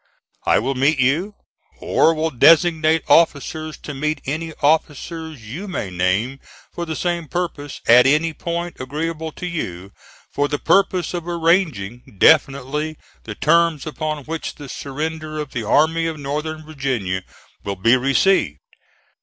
I will meet you, or will designate officers to meet any officers you may name for the same purpose, at any point agreeable to you, for the purpose of arranging definitely the terms upon which the surrender of the Army of Northern Virginia will be received.